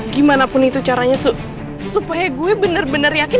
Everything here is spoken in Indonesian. gimanapun itu caranya supaya gue bener bener yakin